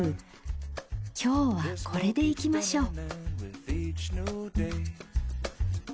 今日はこれでいきましょう。